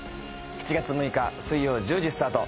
７月６日水曜１０時スタート！